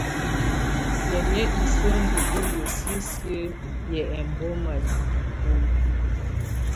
Yamɛ̀á isǝ́ ́ ndù ɔlɔ sisiǝ́ yɛ̀á ɛmbɔma yɛ nikulǝ.